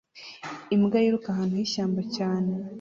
Imbwa yiruka ahantu h'ishyamba cyane